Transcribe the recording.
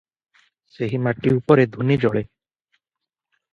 ସେହି ମାଟି ଉପରେ ଧୂନି ଜଳେ ।